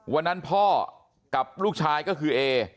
วันนั้นพ่อกับลูกชายก็คือเอ